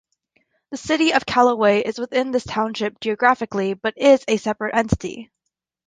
The city of Callaway is within this township geographically but is a separate entity.